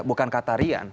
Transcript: bukan kata rian